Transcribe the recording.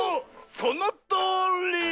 そのとおり！